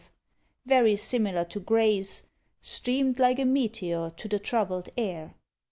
Very similar to Gray's _Streamed like a meteor to the troubled air!